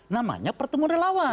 namanya pertemuan relawan